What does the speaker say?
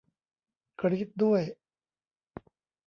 กรี๊ดด้วย